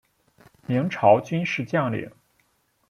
明朝军事将领。